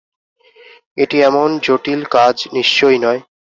এটি এমন জটিল কাজ নিশ্চয়ই নয়।